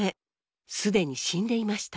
既に死んでいました。